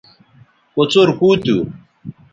کوڅر کُو تھو